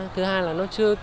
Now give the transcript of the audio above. thứ hai là nó chưa mạnh